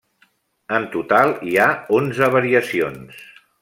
En total hi ha onze variacions.